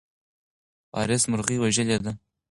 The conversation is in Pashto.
وارث مرغۍ وژلې ده.